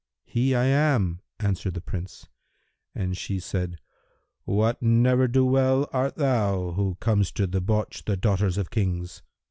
"He I am," answered the Prince; and she said, "What ne'er do well art thou, who comes to debauch the daughters of Kings?